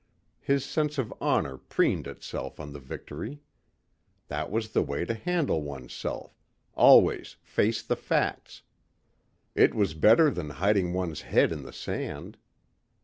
His sense of honor preened itself on the victory. That was the way to handle oneself always face the facts. It was better than hiding one's head in the sand.